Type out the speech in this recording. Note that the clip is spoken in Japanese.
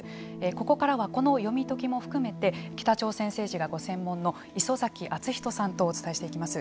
ここからはこの読み解きも含めて北朝鮮政治がご専門の礒崎敦仁さんとお伝えしていきます。